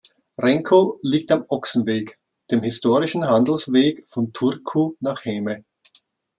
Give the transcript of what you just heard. Renko liegt am Ochsenweg, dem historischen Handelsweg von Turku nach Häme.